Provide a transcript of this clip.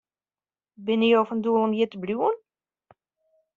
Binne jo fan doel om hjir te bliuwen?